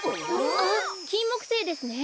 あっキンモクセイですね。